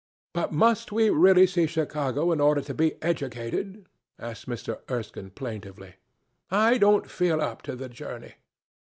"But must we really see Chicago in order to be educated?" asked Mr. Erskine plaintively. "I don't feel up to the journey."